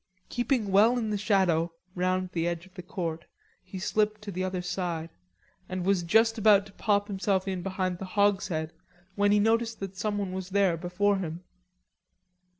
Keeping well in the shadow round the edge of the court, he slipped to the other side, and was just about to pop himself in behind the hogshead when he noticed that someone was there before him.